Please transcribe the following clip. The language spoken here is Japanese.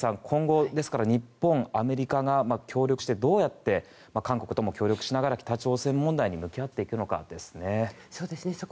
今後、日本、アメリカが協力してどうやって韓国とも協力しながら北朝鮮問題に向き合っていくのかですね。